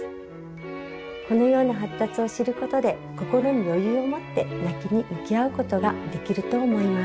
このような発達を知ることで心に余裕を持って泣きに向き合うことができると思います。